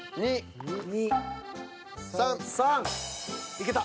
いけた。